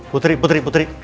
putri putri putri